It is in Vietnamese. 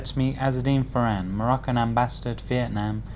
đại sứ farhan azzedine